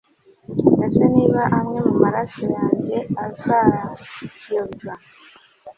ese niba amwe mu maraso yange azayobywa